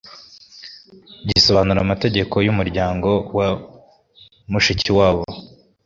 gisobanura amateka y'umuryango wa Mushikiwabo